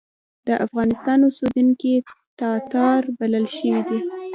د افغانستان اوسېدونکي تاتار بلل شوي دي.